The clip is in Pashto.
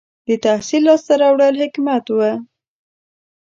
• د تحصیل لاسته راوړل حکمت و.